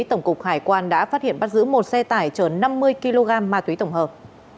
tổng cục hải quan đã phát hiện bắt giữ một xe tải chở năm mươi kg ma túy tổng hợp